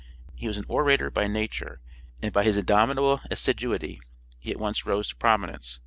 He was an orator by nature, and by his indomitable assiduity he at once rose to prominence.